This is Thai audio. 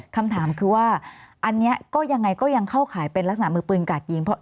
คำถามคือว่าอันนี้ก็ยังไงก็ยังเข้าข่ายเป็นลักษณะมือปืนกาดยิง